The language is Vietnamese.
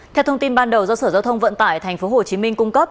theo thông tin ban đầu do sở giao thông vận tải tp hcm cung cấp